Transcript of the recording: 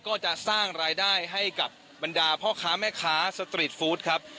ก็จะสร้างรายได้ให้กับบรรดาพ่อค้าแม่ค้าสตรีทฟู้ดครับ